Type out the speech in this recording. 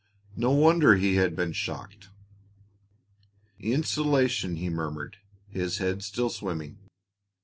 No wonder he had been shocked. "Insulation," he murmured, his head still swimming.